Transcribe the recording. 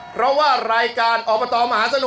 เพราะว่ารายการอบตมหาสนุก